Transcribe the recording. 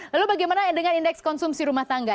lalu bagaimana dengan indeks konsumsi rumah tangga